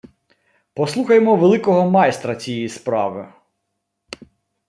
Послухаймо великого майстра «цієї справи»: